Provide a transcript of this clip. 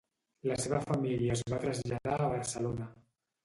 La seva família es va traslladar a Barcelona.